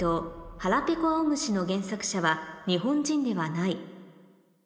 「『はらぺこあおむし』の原作者は日本人ではない」